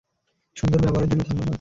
সুন্দর ব্যবহারের জন্য ধন্যবাদ।